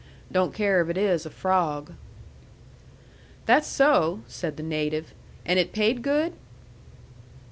Don't care if it is a frawg." "That's so," said the native. "And it paid good?"